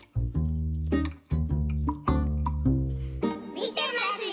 ・みてますよ！